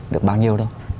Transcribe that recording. được bao nhiêu đâu